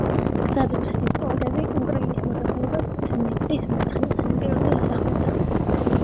გზად რუსეთის პოლკები უკრაინის მოსახლეობას დნეპრის მარცხენა სანაპიროზე ასახლებდა.